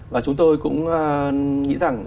và chúng tôi cũng nghĩ rằng